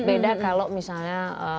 beda kalau misalnya